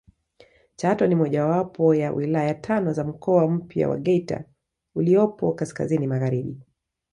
Chato ni mojawapo ya wilaya tano za mkoa mpya wa Geita uliopo kaskazini magharibi